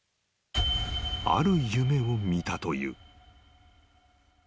［ある夢を見たという］